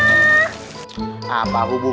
besok kan udah turnamen kali bob